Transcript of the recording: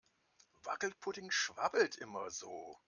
Wackelpudding schwabbelt immer so.